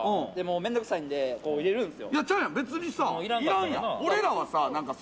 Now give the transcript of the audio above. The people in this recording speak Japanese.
面倒くさいので入れるんですよ。